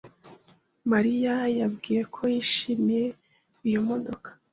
Marie yambwiye ko yishimiye iyo modoka.